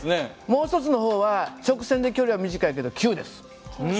もう一つの方は直線で距離は短いけど急です。